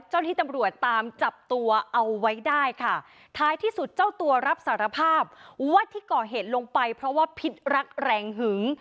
ที่ตำรวจตามจับตัวเอาไว้ได้ค่ะท้ายที่สุดเจ้าตัวรับสารภาพว่าที่ก่อเหตุลงไปเพราะว่าพิษรักแรงหึง